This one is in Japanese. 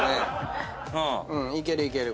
いけるいける。